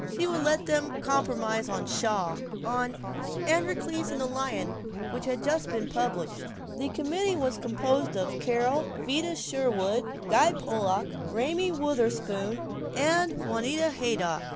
She would let them compromise on Shaw on "Androcles and the Lion," which had just been published. The committee was composed of Carol, Vida Sherwin, Guy Pollock, Raymie Wutherspoon, and Juanita Haydock.